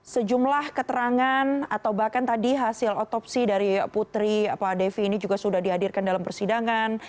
sejumlah keterangan atau bahkan tadi hasil otopsi dari putri pak devi ini juga sudah dihadirkan dalam persidangan